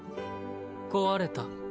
壊れた。